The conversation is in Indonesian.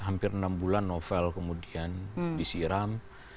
hampir enam bulan novel kemudian disiram